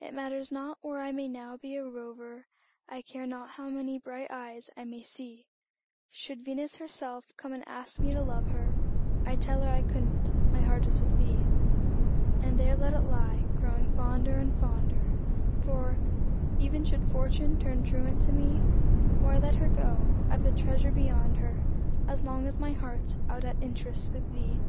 It matters not where I may now be a rover, I care not how many bright eyes I may see; Should Venus herself come and ask me to love her, I'd tell her I couldn't my heart is with thee. And there let it lie, growing fonder and, fonder For, even should Fortune turn truant to me, Why, let her go I've a treasure beyond her, As long as my heart's out at interest With thee!